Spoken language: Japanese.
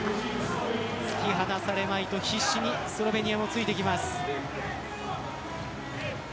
突き放されまいと必死にスロベニアもついてきます。